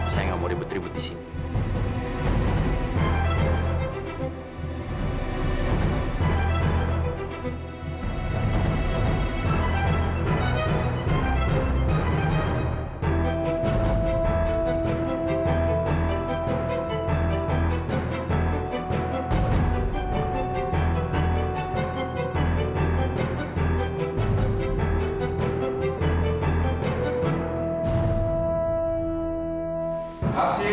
saya gak mau ribet ribet disini